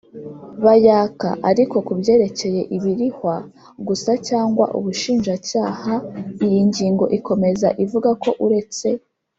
bayaka ariko ku byerekeye ibirihwa gusa cyangwa Ubushinjacyaha Iyi ngingo ikomeza ivuga ko uretse